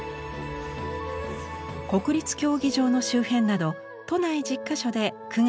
国立競技場の周辺など都内１０か所で９月５日まで。